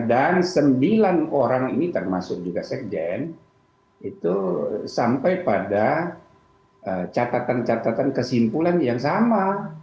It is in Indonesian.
dan sembilan orang ini termasuk juga sekjen itu sampai pada catatan catatan kesimpulan yang sama